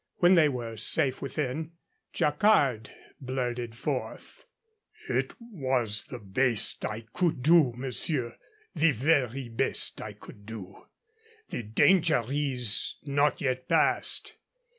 When they were safe within, Jacquard blurted forth: "It was the best I could do, monsieur, the very best I could do. The danger is not yet past.